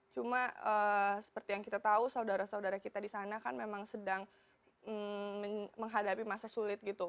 cuma seperti yang kita tahu saudara saudara kita di sana kan memang sedang menghadapi masa sulit gitu